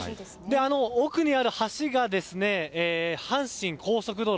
奥にある橋が阪神高速道路。